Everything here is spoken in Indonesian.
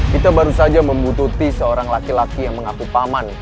kita baru saja membutuhkan seorang laki laki yang mengaku paman